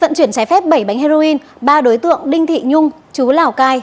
vận chuyển trái phép bảy bánh heroin ba đối tượng đinh thị nhung chú lào cai